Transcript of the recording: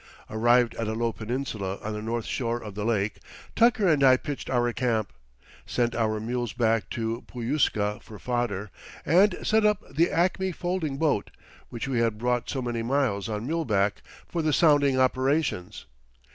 Arrived at a low peninsula on the north shore of the lake, Tucker and I pitched our camp, sent our mules back to Puyusca for fodder, and set up the Acme folding boat, which we had brought so many miles on muleback, for the sounding operations.